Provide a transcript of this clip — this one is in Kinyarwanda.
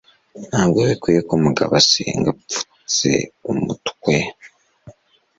ntabwo bikwiye ko umugabo asenga apfutse umutwe